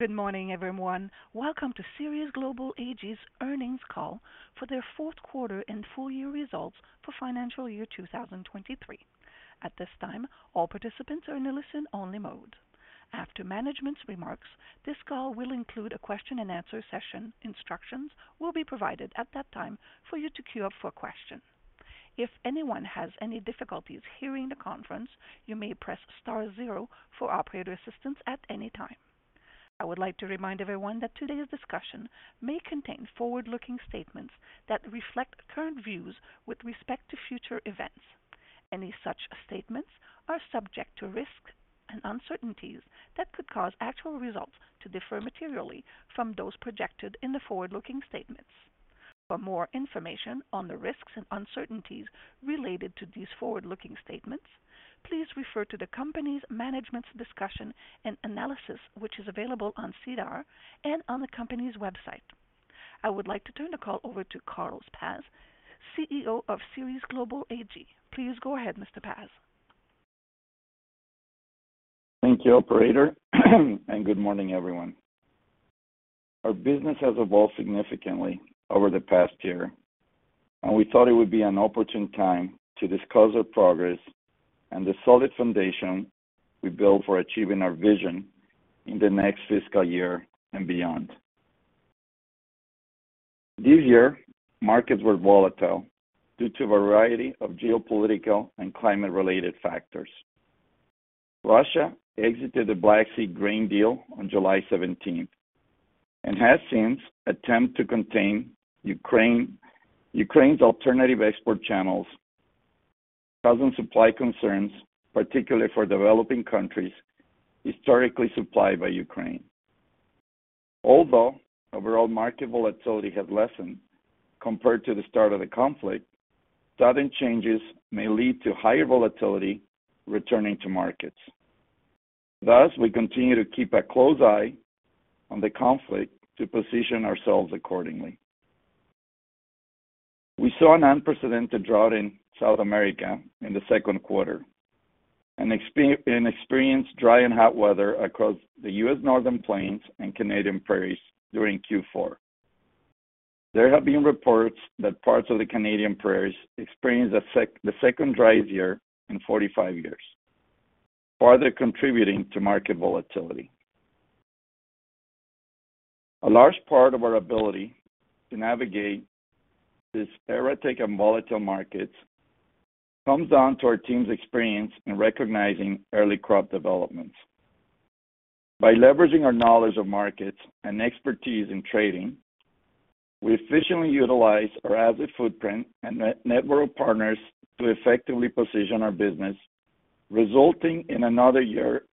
Good morning, everyone. Welcome to Ceres Global Ag's earnings call for their fourth quarter and full year results for financial year 2023. At this time, all participants are in a listen-only mode. After management's remarks, this call will include a question and answer session. Instructions will be provided at that time for you to queue up for a question. If anyone has any difficulties hearing the conference, you may press star zero for operator assistance at any time. I would like to remind everyone that today's discussion may contain forward-looking statements that reflect current views with respect to future events. Any such statements are subject to risks and uncertainties that could cause actual results to differ materially from those projected in the forward-looking statements. For more information on the risks and uncertainties related to these forward-looking statements, please refer to the company's Management's Discussion and Analysis, which is available on SEDAR and on the company's website. I would like to turn the call over to Carlos Paz, CEO of Ceres Global Ag. Please go ahead, Mr. Paz. Thank you, Operator, and good morning, everyone. Our business has evolved significantly over the past year, and we thought it would be an opportune time to discuss our progress and the solid foundation we built for achieving our vision in the next fiscal year and beyond. This year, markets were volatile due to a variety of geopolitical and climate-related factors. Russia exited the Black Sea grain deal on July 17, and has since attempted to contain Ukraine's alternative export channels, causing supply concerns, particularly for developing countries historically supplied by Ukraine. Although overall market volatility has lessened compared to the start of the conflict, sudden changes may lead to higher volatility returning to markets. Thus, we continue to keep a close eye on the conflict to position ourselves accordingly. We saw an unprecedented drought in South America in the second quarter and experienced dry and hot weather across the US Northern Plains and Canadian Prairies during Q4. There have been reports that parts of the Canadian Prairies experienced the second driest year in 45 years, further contributing to market volatility. A large part of our ability to navigate these erratic and volatile markets comes down to our team's experience in recognizing early crop developments. By leveraging our knowledge of markets and expertise in trading, we efficiently utilize our asset footprint and network of partners to effectively position our business, resulting in another year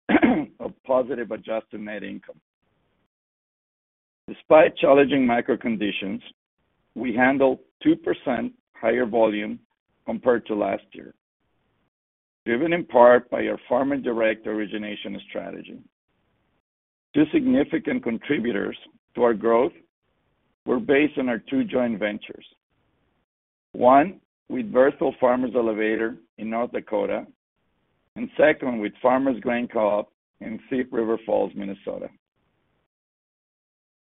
of positive adjusted net income. Despite challenging micro conditions, we handled 2% higher volume compared to last year, driven in part by our farmer direct origination strategy. Two significant contributors to our growth were based on our two joint ventures. One, with Berthold Farmers Elevator in North Dakota, and second, with Farmers Grain in Thief River Falls, Minnesota.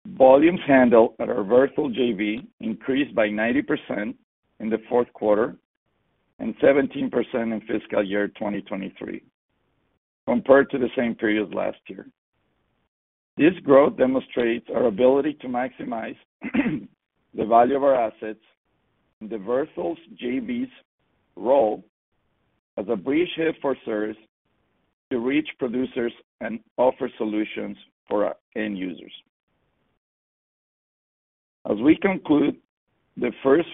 Volumes handled at our Berthold JV increased by 90% in the fourth quarter, and 17% in fiscal year 2023, compared to the same period last year. This growth demonstrates our ability to maximize the value of our assets, and the Berthold JV's role as a bridgehead for services, to reach producers and offer solutions for our end users. As we conclude the first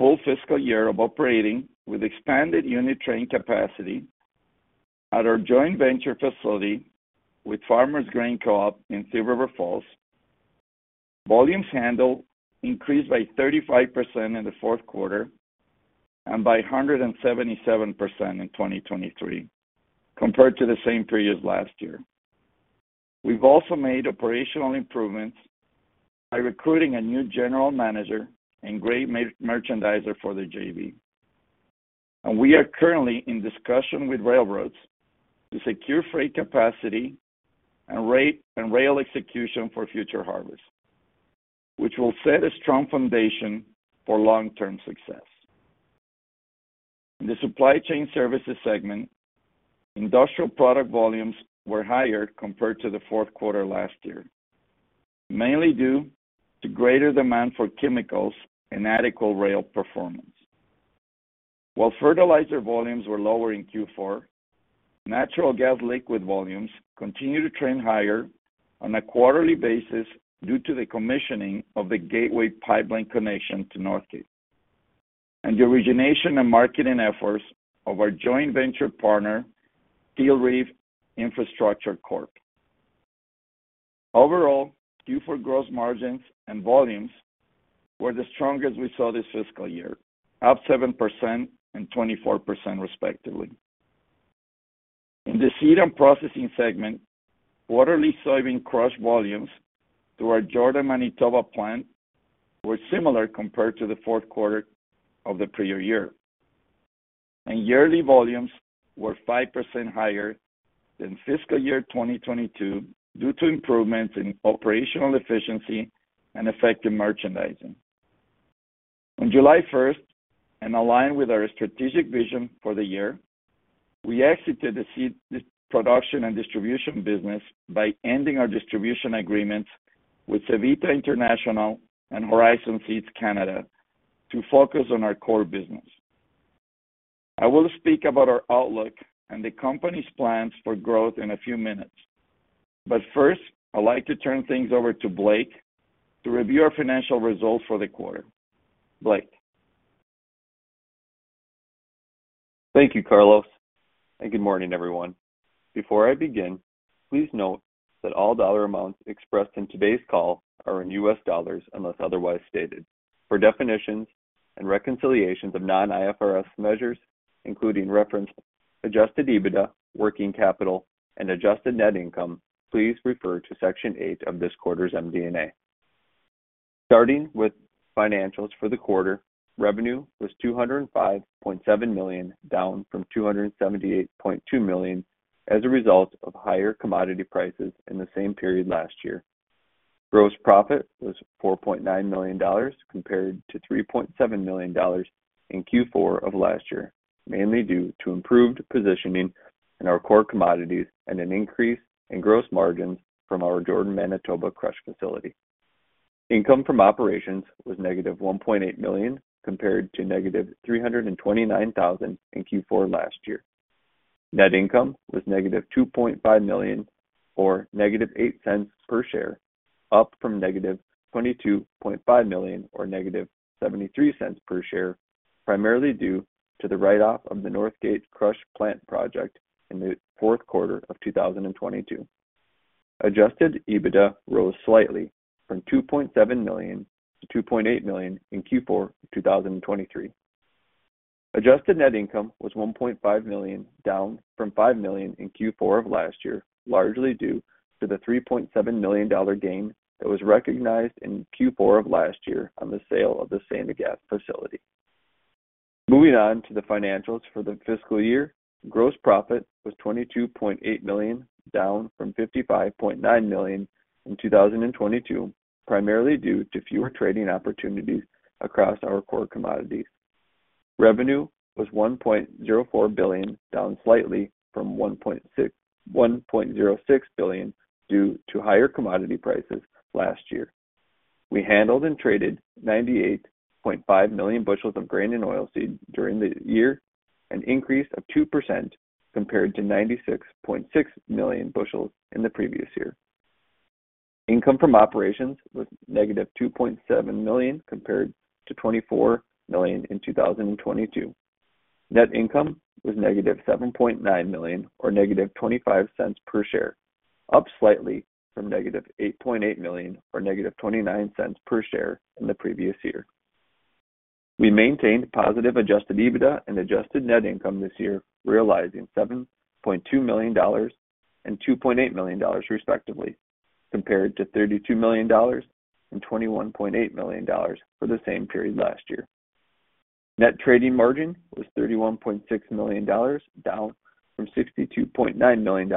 full fiscal year of operating with expanded unit train capacity at our joint venture facility with Farmers Grain Co-op in Thief River Falls, volumes handled increased by 35% in the fourth quarter, and by 177% in 2023, compared to the same period last year. We've also made operational improvements by recruiting a new general manager and great merchandiser for the JV. We are currently in discussion with railroads, to secure freight capacity and rate and rail execution for future harvests, which will set a strong foundation for long-term success. In the supply chain services segment, industrial product volumes were higher compared to the fourth quarter last year, mainly due to greater demand for chemicals and adequate rail performance. While fertilizer volumes were lower in Q4, natural gas liquid volumes continued to trend higher on a quarterly basis, due to the commissioning of the Gateway Pipeline connection to North Portal, and the origination and marketing efforts of our joint venture partner, Steel Reef Infrastructure Corp. Overall, Q4 gross margins and volumes were the strongest we saw this fiscal year, up 7% and 24% respectively. In the seed and processing segment, quarterly soybean crush volumes through our Jordan, Manitoba plant, were similar compared to the fourth quarter of the prior year, and yearly volumes were 5% higher than fiscal year 2022, due to improvements in operational efficiency and effective merchandising. On July 1st, and aligned with our strategic vision for the year, we exited the seed production and distribution business by ending our distribution agreements with Sevita International and Horizon Seeds Canada to focus on our core business. I will speak about our outlook and the company's plans for growth in a few minutes. But first, I'd like to turn things over to Blake to review our financial results for the quarter. Blake? Thank you, Carlos, and good morning, everyone. Before I begin, please note that all dollar amounts expressed in today's call are in US dollars, unless otherwise stated. For definitions and reconciliations of non-IFRS measures, including reference Adjusted EBITDA, working capital, and adjusted net income, please refer to section eight of this quarter's MD&A. Starting with financials for the quarter, revenue was $205.7 million, down from $278.2 million as a result of higher commodity prices in the same period last year. Gross profit was $4.9 million, compared to $3.7 million in Q4 of last year, mainly due to improved positioning in our core commodities and an increase in gross margin from our Jordan, Manitoba crush facility. Income from operations was negative $1.8 million, compared to -$329,000 in Q4 last year. Net income was negative $2.5 million, or -$0.08 per share, up from -$22.5 million, or -$0.73 per share, primarily due to the write-off of the Northgate crush plant project in the fourth quarter of 2022. Adjusted EBITDA rose slightly from $2.7 million-$2.8 million in Q4 of 2023. Adjusted net income was $1.5 million, down from $5 million in Q4 of last year, largely due to the $3.7 million gain that was recognized in Q4 of last year on the sale of the Sainte-Agathe facility. Moving on to the financials for the fiscal year, gross profit was $22.8 million, down from $55.9 million in 2022, primarily due to fewer trading opportunities across our core commodities. Revenue was $1.04 billion, down slightly from $1.06 billion due to higher commodity prices last year. We handled and traded 98.5 million bushels of grain and oilseed during the year, an increase of 2% compared to 96.6 million bushels in the previous year. Income from operations was -$2.7 million, compared to $24 million in 2022. Net income was -$7.9 million, or -$0.25 per share, up slightly from -$8.8 million, or -$0.29 per share in the previous year. We maintained positive Adjusted EBITDA and Adjusted Net Income this year, realizing $7.2 million and $2.8 million, respectively, compared to $32 million and $21.8 million for the same period last year. Net Trading Margin was $31.6 million, down from $62.9 million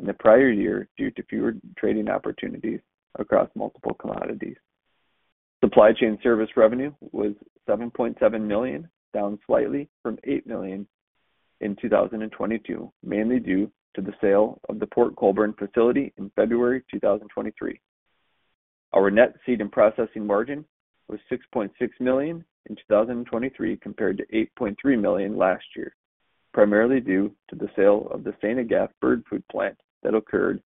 in the prior year due to fewer trading opportunities across multiple commodities. Supply chain service revenue was $7.7 million, down slightly from $8 million in 2022, mainly due to the sale of the Port Colborne facility in February 2023. Our net seed and processing margin was $6.6 million in 2023, compared to $8.3 million last year, primarily due to the sale of the Sainte-Agathe Bird Food plant that occurred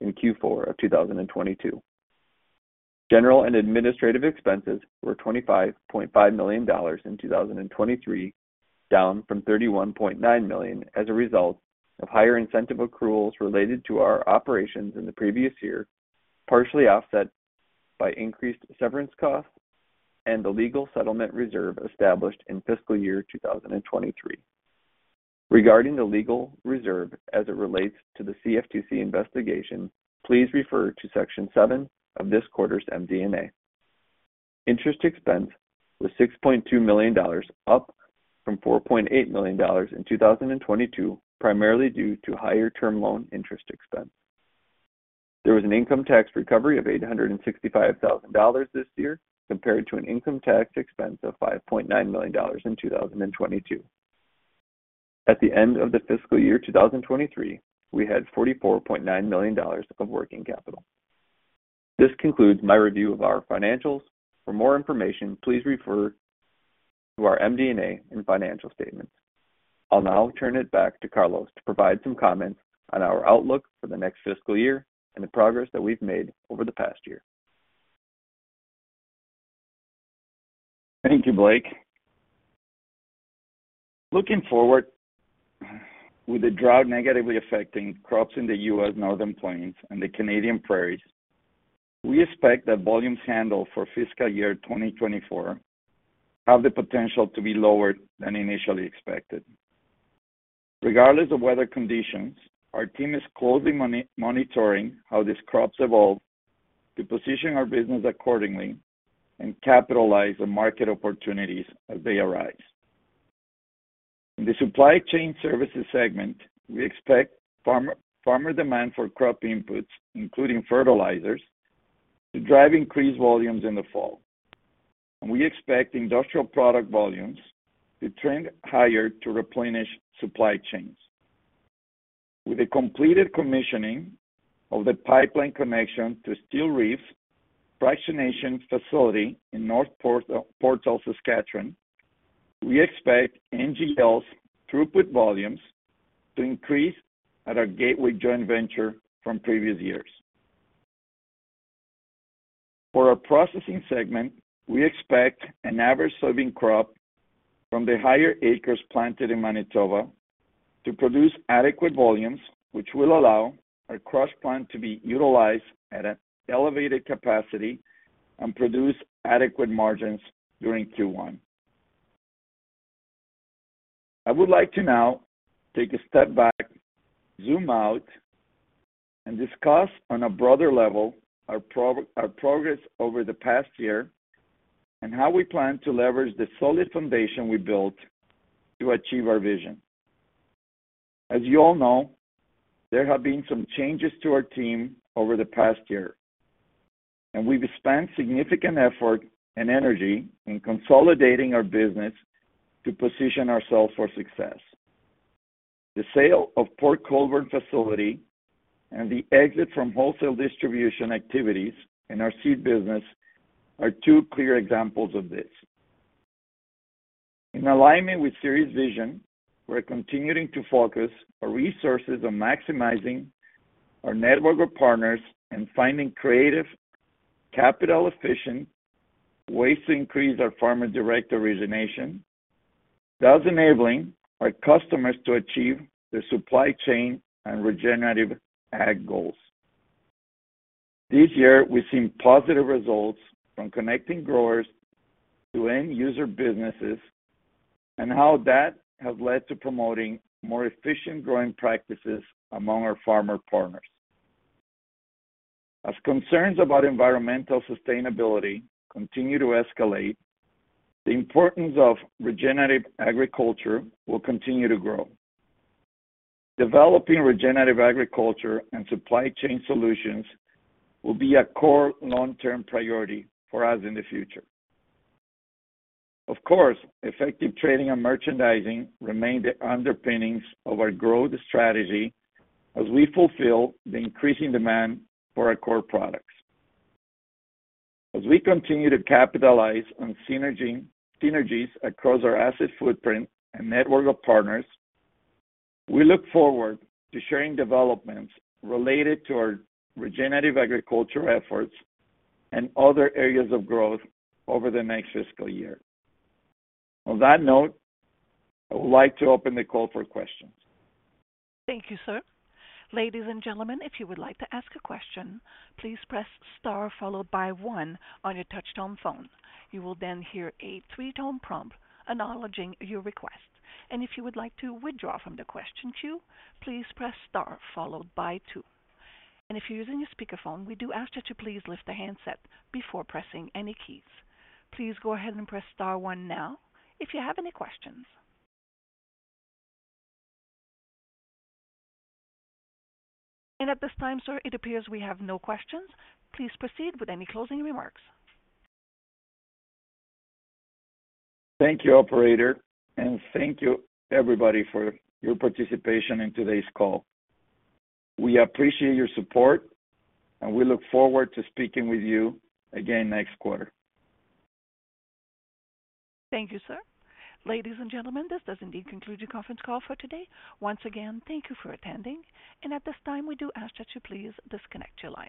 in Q4 of 2022. General and administrative expenses were $25.5 million in 2023, down from $31.9 million as a result of higher incentive accruals related to our operations in the previous year, partially offset by increased severance costs and the legal settlement reserve established in fiscal year 2023. Regarding the legal reserve as it relates to the CFTC investigation, please refer to section seven of this quarter's MD&A. Interest expense was $6.2 million, up from $4.8 million in 2022, primarily due to higher term loan interest expense. There was an income tax recovery of $865,000 this year, compared to an income tax expense of $5.9 million in 2022. At the end of the fiscal year 2023, we had $44.9 million of working capital. This concludes my review of our financials. For more information, please refer to our MD&A and financial statements. I'll now turn it back to Carlos to provide some comments on our outlook for the next fiscal year and the progress that we've made over the past year. Thank you, Blake. Looking forward, with the drought negatively affecting crops in the U.S. Northern Plains and the Canadian Prairies, we expect that volumes handled for fiscal year 2024 have the potential to be lower than initially expected. Regardless of weather conditions, our team is closely monitoring how these crops evolve, to position our business accordingly and capitalize on market opportunities as they arise. In the supply chain services segment, we expect farmer demand for crop inputs, including fertilizers, to drive increased volumes in the fall. We expect industrial product volumes to trend higher to replenish supply chains. With a completed commissioning of the pipeline connection to Steel Reef's fractionation facility in North Portal, Saskatchewan, we expect NGLs throughput volumes to increase at our gateway joint venture from previous years. For our processing segment, we expect an average soybean crop from the higher acres planted in Manitoba to produce adequate volumes, which will allow our crush plant to be utilized at an elevated capacity and produce adequate margins during Q1. I would like to now take a step back, zoom out, and discuss on a broader level our progress over the past year, and how we plan to leverage the solid foundation we built to achieve our vision. As you all know, there have been some changes to our team over the past year, and we've spent significant effort and energy in consolidating our business to position ourselves for success. The sale of Port Colborne facility and the exit from wholesale distribution activities in our seed business are two clear examples of this. In alignment with Ceres' vision, we're continuing to focus our resources on maximizing our network of partners and finding creative, capital-efficient ways to increase our farmer direct origination. Thus enabling our customers to achieve their supply chain and regenerative ag goals. This year, we've seen positive results from connecting growers to end user businesses, and how that has led to promoting more efficient growing practices among our farmer partners. As concerns about environmental sustainability continue to escalate, the importance of regenerative agriculture will continue to grow. Developing regenerative agriculture and supply chain solutions will be a core long-term priority for us in the future. Of course, effective trading and merchandising remain the underpinnings of our growth strategy as we fulfill the increasing demand for our core products. As we continue to capitalize on synergy, synergies across our asset footprint and network of partners, we look forward to sharing developments related to our regenerative agriculture efforts and other areas of growth over the next fiscal year. On that note, I would like to open the call for questions. Thank you, sir. Ladies and gentlemen, if you would like to ask a question, please press star followed by one on your touchtone phone. You will then hear a three-tone prompt acknowledging your request. And if you would like to withdraw from the question queue, please press star followed by two. And if you're using a speakerphone, we do ask that you please lift the handset before pressing any keys. Please go ahead and press star one now if you have any questions. And at this time, sir, it appears we have no questions. Please proceed with any closing remarks. Thank you, operator, and thank you everybody for your participation in today's call. We appreciate your support, and we look forward to speaking with you again next quarter. Thank you, sir. Ladies and gentlemen, this does indeed conclude the conference call for today. Once again, thank you for attending, and at this time, we do ask that you please disconnect your line.